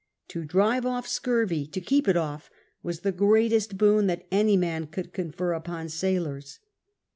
To drive off scurvy— to keep it off — was the greatest boon that any man could confer upon sailors.